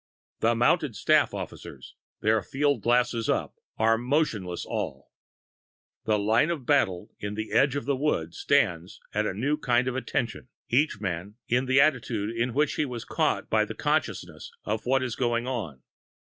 The mounted staff officers, their field glasses up, are motionless all. The line of battle in the edge of the wood stands at a new kind of "attention," each man in the attitude in which he was caught by the consciousness of what is going on.